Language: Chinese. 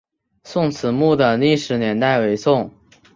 宋慈墓的历史年代为宋。